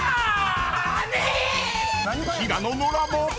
［平野ノラも］